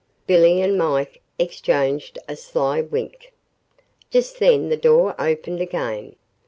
Billy and Mike exchanged a sly wink. Just then the door opened again.